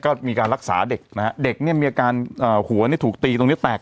ก็มีการรักษาเด็กนะฮะเด็กเนี่ยมีอาการหัวเนี่ยถูกตีตรงนี้แตก